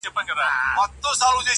چي له غمه یې ژړل مي تر سهاره!